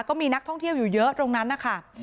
ก็มีนักท่องเที่ยวอยู่เยอะตรงนั้นนะคะ